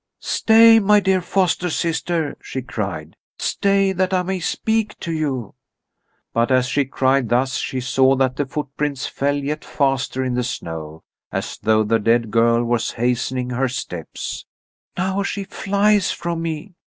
"Stay, my dear foster sister!" she cried. "Stay, that I may speak to you!" But as she cried thus, she saw that the footprints fell yet faster in the snow, as though the dead girl were hastening her steps. "Now she flies from me.